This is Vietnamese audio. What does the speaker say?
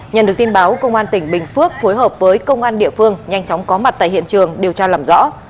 nhận được tin báo công an tỉnh bình phước phối hợp với công an địa phương nhanh chóng có mặt tại hiện trường điều tra làm rõ